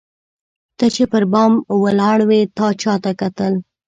ته چي پر بام ولاړه وې تا چاته کتل؟